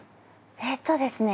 えっとですね